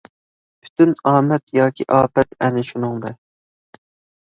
پۈتۈن ئامەت ياكى ئاپەت ئەنە شۇنىڭدا.